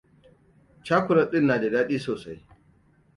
Cakulat din na da dadi sosai.